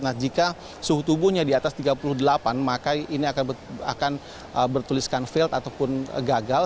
nah jika suhu tubuhnya di atas tiga puluh delapan maka ini akan bertuliskan filt ataupun gagal